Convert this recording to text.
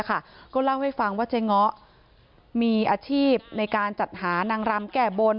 ก็เล่าให้ฟังว่าเจ๊ง้อมีอาชีพในการจัดหานางรำแก้บน